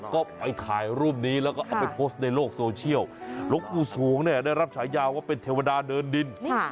ก็ไปถ่ายรูปนี้แล้วก็เอาไปโพสต์ในโลกโซเชียลหลวงปู่สูงเนี่ยได้รับฉายาว่าเป็นเทวดาเดินดิน